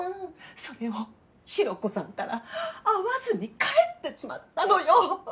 それをひろ子さんったら会わずに帰ってしまったのよ！